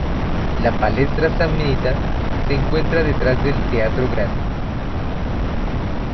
La palestra Samnita se encuentra detrás del Teatro Grande.